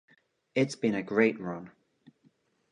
It's been a great run.